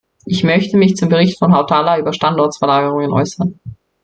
Ich möchte mich zum Bericht Hautala über Standortverlagerungen äußern.